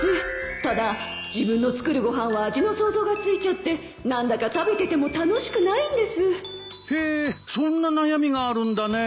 ただ自分の作るご飯は味の想像がついちゃって何だか食べてても楽しくないんですへえそんな悩みがあるんだね。